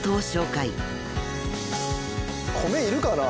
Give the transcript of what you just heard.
米いるかな？